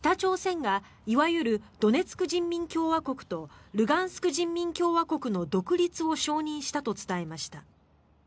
１４日付の朝鮮中央通信は北朝鮮がいわゆるドネツク人民共和国とルガンスク人民共和国の独立を承認したと伝えました。